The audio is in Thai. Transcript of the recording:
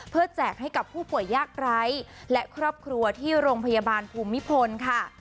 เพื่อแจกให้กับผู้ป่วยยากไร้และครอบครัวที่โรงพยาบาลภูมิพลค่ะ